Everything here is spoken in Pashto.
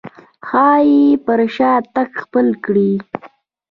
ښايي پر شا تګ خپل کړي.